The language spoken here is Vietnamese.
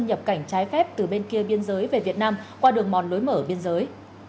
nhập cảnh trái phép từ bên kia biên giới về việt nam qua đường mòn lối mở biên giới